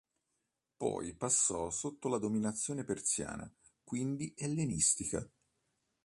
Poi passò sotto la dominazione persiana quindi ellenistica.